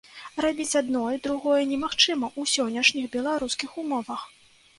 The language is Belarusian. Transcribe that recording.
Рабіць адно і другое немагчыма ў сённяшніх беларускіх умовах.